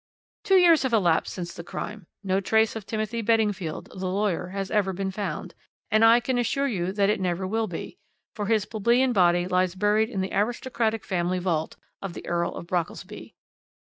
"Two years have elapsed since the crime; no trace of Timothy Beddingfield, the lawyer, has ever been found, and I can assure you that it will never be, for his plebeian body lies buried in the aristocratic family vault of the Earl of Brockelsby."